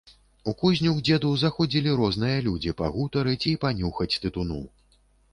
У кузню к дзеду заходзілі розныя людзі пагутарыць і панюхаць тытуну.